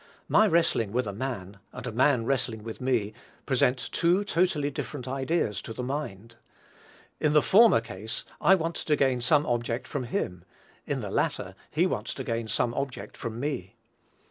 My wrestling with a man, and a man wrestling with me, present two totally different ideas to the mind. In the former case I want to gain some object from him; in the latter, he wants to gain some object from me.